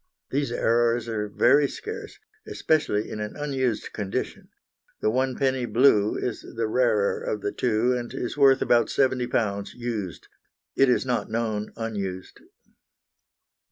These errors are very scarce, especially in an unused condition. The 1d., blue, is the rarer of the two, and is worth about £70 used; it is not known unused.